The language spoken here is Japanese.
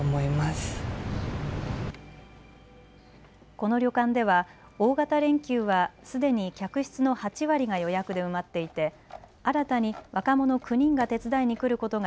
この旅館では大型連休はすでに客室の８割が予約で埋まっていて新たに若者９人が手伝いに来ることが